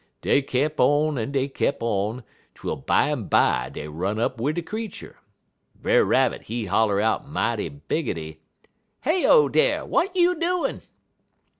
"Dey kep' on en kep' on, twel bimeby dey run up wid de creetur. Brer Rabbit, he holler out mighty biggity: "'Heyo dar! W'at you doin'?'